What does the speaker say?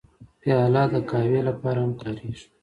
پیاله د قهوې لپاره هم کارېږي.